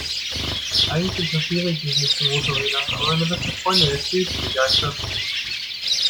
Eigentlich interessiere ich mich nicht für Motorräder, aber meine beste Freundin erzählt so begeistert.